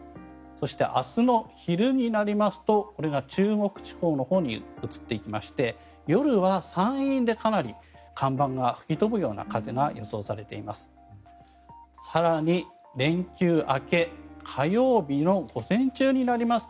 そして明日の昼になりますとこれが中国地方のほうに移っていきまして、夜は山陰でかなり看板が吹き飛ぶような風が予想されています。